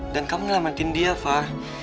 dan kamu nelamatin dia fah